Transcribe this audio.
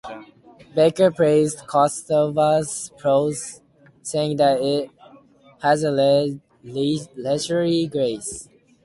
Baker praised Kostova's prose, saying that it "has a leisurely grace".